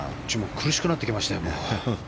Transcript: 苦しくなってきましたよ。